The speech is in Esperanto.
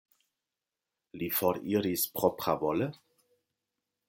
Li foriris propravole?